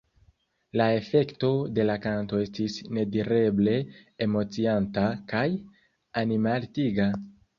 La efekto de la kanto estis nedireble emocianta kaj animaltiga.